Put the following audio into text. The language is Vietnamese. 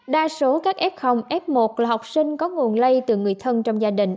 đa số các f f một là học sinh có nguồn lây từ người thân trong gia đình